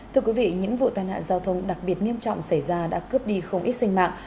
thưa quý vị những vụ tai nạn giao thông đặc biệt nghiêm trọng xảy ra đã cướp đi không ít sinh mạng